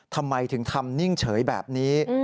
ทำไมถึงทำนิ่งเฉยแบบนี้